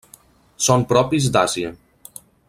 Són propis d'Àsia.